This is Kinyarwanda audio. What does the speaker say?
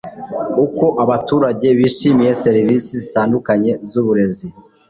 uko abaturage bishimiye serivisi zitandukanye z uburezi